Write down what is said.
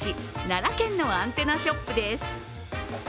奈良県のアンテナショップです。